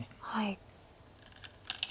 はい。